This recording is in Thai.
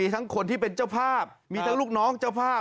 ทั้งคนที่เป็นเจ้าภาพ